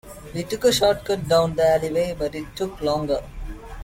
We took a shortcut down the alleyway, but it took longer.